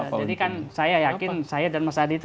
jadi kan saya yakin saya dan mas adi itu